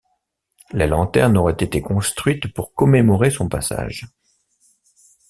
La lanterne aurait été construite pour commémorer son passage.